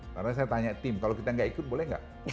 karena saya tanya tim kalau kita gak ikut boleh gak